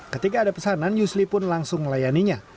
ketika ada pesanan yusli pun langsung melayaninya